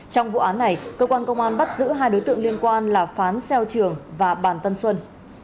trong vụ án này cơ quan công an bắt giữ hai đối tượng liên quan là phán xeo trường và bàn tân xuân